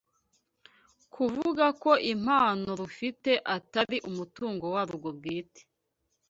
kuvuga ko impano rufite atari umutungo warwo bwite